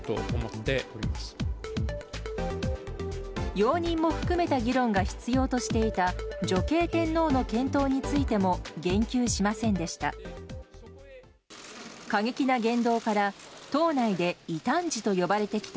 容認も含めた議論が必要としていた女系天皇の検討についても言及しませんでした。